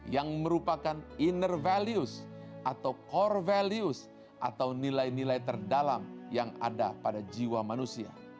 yang merupakan inner values atau core values atau nilai nilai terdalam yang ada pada jiwa manusia